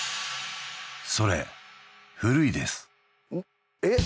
それ古いですえっ